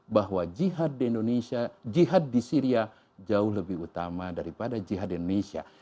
bahwa jihad di syria jauh lebih utama daripada jihad di indonesia